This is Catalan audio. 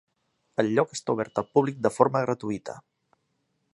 El lloc està obert al públic de forma gratuïta.